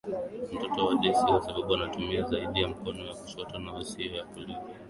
Mtoto wa Daisy kwasababu anatumia zaidi mkono wa kushoto na sio wa kulia